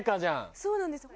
そうなんです。